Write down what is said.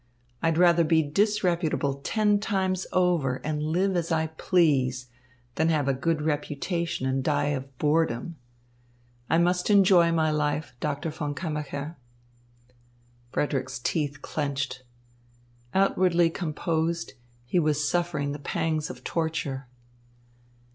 I'd rather be disreputable ten times over and live as I please, than have a good reputation and die of boredom. I must enjoy my life, Doctor von Kammacher." Frederick's teeth clenched. Outwardly composed, he was suffering the pangs of torture.